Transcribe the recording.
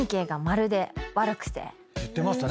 言ってましたね